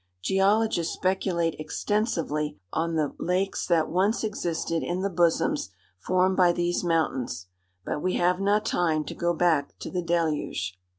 Geologists speculate extensively on the lakes that once existed in the bosoms formed by these mountains—but we have not time to go back to the deluge.